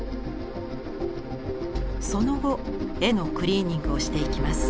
その後絵のクリーニングをしていきます。